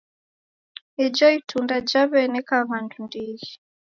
Ijo itunda jaw'eneka w'andu ndighi.